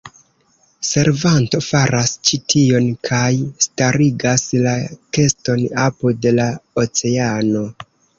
Servanto faras ĉi tion kaj starigas la keston apud la oceano.